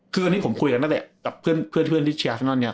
คืออันนี้ผมคุยกันตั้งแต่กับเพื่อนที่ชื่ออาศนอนเนี่ย